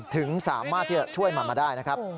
ถึงสามารถที่จะช่วยมันมาได้นะครับ